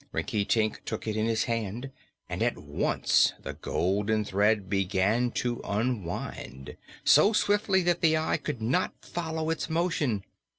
Rinkitink took it in his hand and at once the golden thread began to unwind so swiftly that the eye could not follow its motion.